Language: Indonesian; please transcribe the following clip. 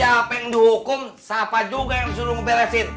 siapa yang dihukum siapa juga yang disuruh ngebelesin